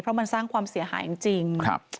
เพราะมันสร้างความเสียหายจริง